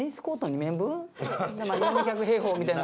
４００平方みたいな。